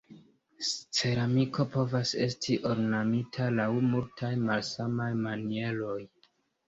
Ceramiko povas esti ornamita laŭ multaj malsamaj manieroj.